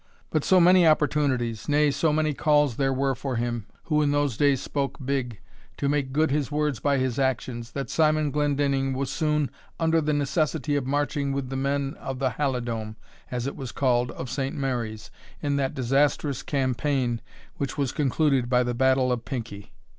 But so many opportunities, nay so many calls there were for him, who in those days spoke big, to make good his words by his actions, that Simon Glendinning was soon under the necessity of marching with the men of the Halidome, as it was called, of St. Mary's, in that disastrous campaign which was concluded by the battle of Pinkie.